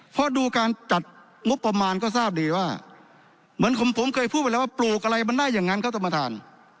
เพราะดูการจัดงบประมาณก็ทราบดีว่าเหมือนผมเคยพูดไปแล้วว่าปลูกอะไรมันได้อย่างนั้นครับท่านประธาน